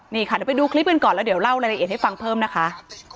นี่ค่ะเดี๋ยวไปดูคลิปกันก่อนแล้วเดี๋ยวเล่ารายละเอียดให้ฟังเพิ่มนะคะ